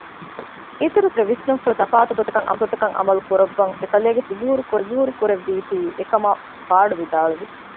އިތުރުސާހިބާގެ ވިސްނުންފުޅާ ތަފާތު ގޮތަކަށް ޢަމަލުކުރައްވަން އެކަލޭގެފާނަށް މަޖްބޫރު ކުރެއްވީތީ އެކަމާ ފަޑުވިދާޅުވި